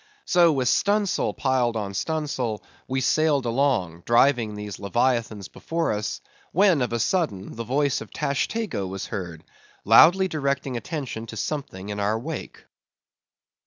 So with stun sail piled on stun sail, we sailed along, driving these leviathans before us; when, of a sudden, the voice of Tashtego was heard, loudly directing attention to something in our wake.